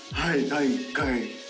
第１回。